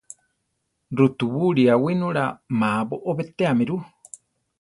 Rutubúli awínula má boʼó betéame ru.